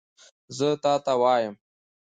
زه تا ته وایم !